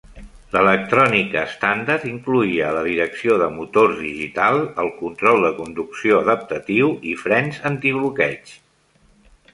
L'electrònica estàndard incloïa la direcció de motors digital, el control de conducció adaptatiu i frens antibloqueig.